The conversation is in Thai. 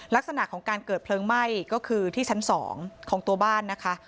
ลักษณะของการเกิดเพลิงไหม้ก็คือที่ชั้น๒ของตัวบ้านนะคะ